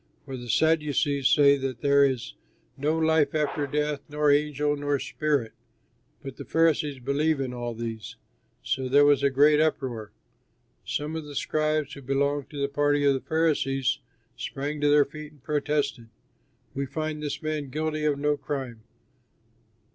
For the Sadducees say that there is no life after death, nor angel, nor spirit; but the Pharisees believe in all these; so there was a great uproar. Some of the scribes who belonged to the party of the Pharisees sprang to their feet and protested, "We find this man guilty of no crime.